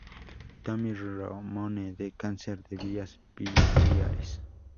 Tommy Ramone, de cáncer de vías biliares.